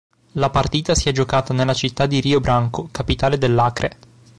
La partita si è giocata nella città di Rio Branco, capitale dell'Acre.